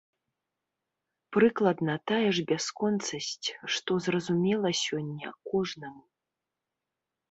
Прыкладна тая ж бясконцасць, што зразумела сёння кожнаму.